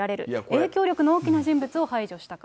影響力の大きな人物を排除したかと。